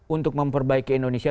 untuk memperbaiki indonesia